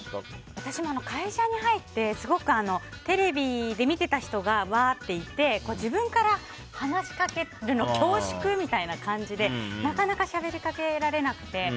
私も会社に入ってすごく、テレビで見てた人がわーっていて自分から話しかけるの恐縮みたいな感じでなかなかしゃべりかけられなくて。